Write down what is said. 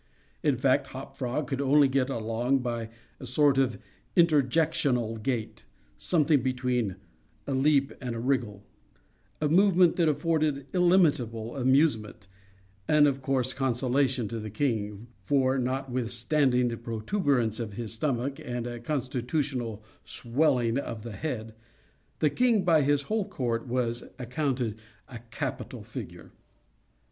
In fact, Hop Frog could only get along by a sort of interjectional gait—something between a leap and a wriggle—a movement that afforded illimitable amusement, and of course consolation, to the king, for (notwithstanding the protuberance of his stomach and a constitutional swelling of the head) the king, by his whole court, was accounted a capital figure.